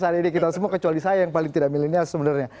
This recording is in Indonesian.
hari ini kita semua kecuali saya yang paling tidak milenial sebenarnya